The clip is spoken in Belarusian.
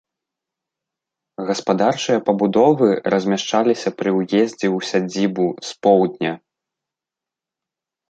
Гаспадарчыя пабудовы размяшчаліся пры ўездзе ў сядзібу з поўдня.